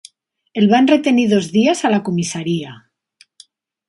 El van retenir dos dies a la comissaria.